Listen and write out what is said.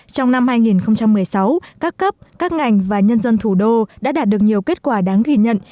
trong năm hai nghìn một mươi sáu các cấp các ngành và nhân dân thủ đô đã đạt được nhiều kết quả đáng ghi nhận